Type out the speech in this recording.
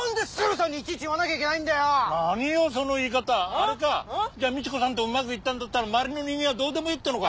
あれかじゃみち子さんとうまくいったんだったらまわりの人間はどうでもいいってのか。